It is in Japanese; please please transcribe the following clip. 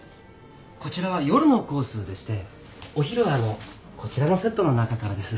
こちらは夜のコースでしてお昼はこちらのセットの中からです。